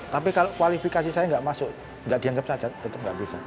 tapi kalau kualifikasi saya nggak masuk nggak dianggap saja tetap nggak bisa